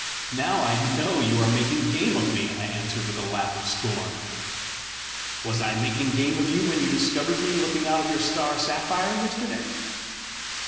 "Now I KNOW you are making game of me!" I answered, with a laugh of scorn. "Was I making game of you when you discovered me looking out of your star sapphire yesterday?"